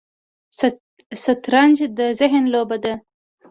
شطرنج د ذهن لوبه ده